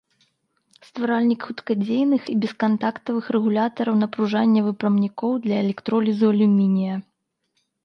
Стваральнік хуткадзейных і бескантактавых рэгулятараў напружання выпрамнікоў для электролізу алюмінія.